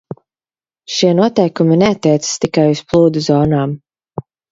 Šie noteikumi neattiecas tikai uz plūdu zonām.